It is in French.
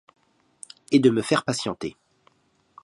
Et de me faire patienter.